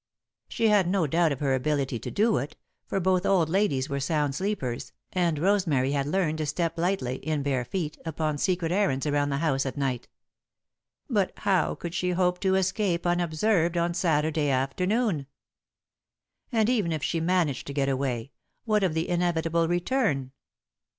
She had no doubt of her ability to do it, for both old ladies were sound sleepers, and Rosemary had learned to step lightly, in bare feet, upon secret errands around the house at night. [Sidenote: Secret Longings] But how could she hope to escape, unobserved, on Saturday afternoon? And, even if she managed to get away, what of the inevitable return?